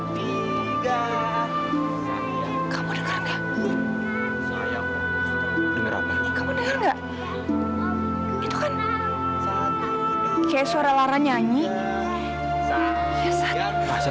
dua dua juga sayang ayah